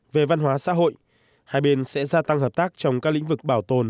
về văn hóa xã hội hai bên sẽ gia tăng hợp tác trong các lĩnh vực bảo tồn